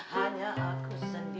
hanya aku sendiri